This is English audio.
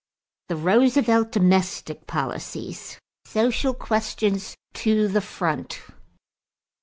THE ROOSEVELT DOMESTIC POLICIES =Social Questions to the Front.